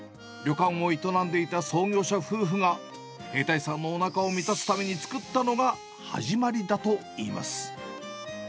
旅館を営んでいた創業者夫婦が、兵隊さんのおなかを満たすために作ったのが始まりだといいます。